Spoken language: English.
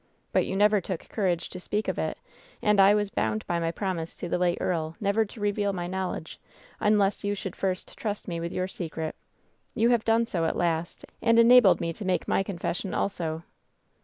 But you never took courage to speak of it, and I was bound by my promise to the late earl never to reveal my knowl edge unless you should first trust me with your secret. You have done so at last, and enabled me to make my confession also."